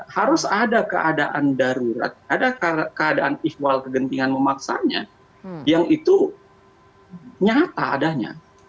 harus ada keadaan darurat ada keadaan ikhwal kegentingan memaksanya yang itu nyata adanya